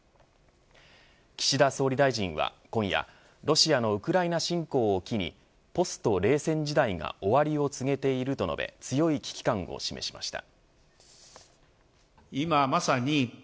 岸田総理大臣は今夜ロシアのウクライナ侵攻を機にポスト冷戦時代が終わりを告げていると述べ強い危機感を示しました。